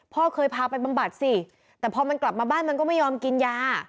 พ่อเคยพาไปบำบัดสิแต่พอมันกลับมาบ้านมันก็ไม่ยอมกินยา